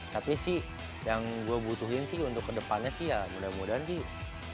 tapi sih yang gue butuhin sih untuk kedepannya sih ya mudah mudahan sih